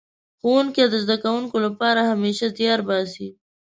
ښوونکي د زده کوونکو لپاره همېشه زيار باسي.